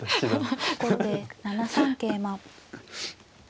後手７三桂馬。